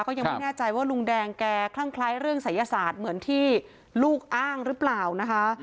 ยังไม่แน่ใจว่าลุงแดงแกคลั่งคล้ายเรื่องศัยศาสตร์เหมือนที่ลูกอ้างหรือเปล่านะคะ